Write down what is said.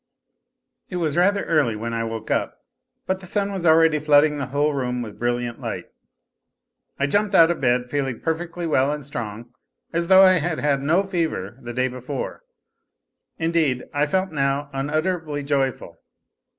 It was rather early when I woke up, but the sun was already flooding the whole room with brilliant light. I jumped out of bed feeling perfectly well and strong, as though I had had no fever the day before ; indeed, I felt now unutterably joyful.